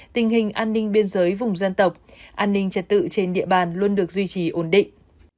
tình hình an ninh biên giới vùng dân tộc an ninh trật tự trên địa bàn luôn được duy trì ổn định